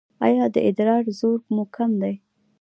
ایا د ادرار زور مو کم دی؟